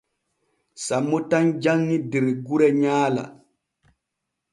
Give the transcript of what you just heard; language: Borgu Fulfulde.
Sammo tan janŋi der gure nyaala.